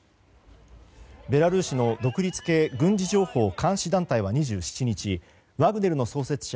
ベラルーシの独立系軍事情報監視団体は２７日ワグネルの創設者